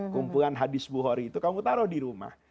kumpulan hadis buhori itu kamu taruh di rumah